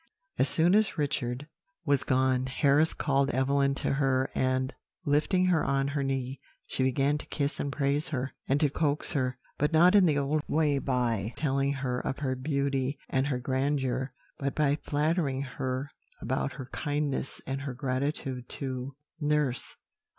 "As soon as Richard was gone, Harris called Evelyn to her, and, lifting her on her knee, she began to kiss and praise her, and to coax her, but not in the old way by telling her of her beauty and her grandeur, but by flattering her about her kindness and her gratitude to nurse.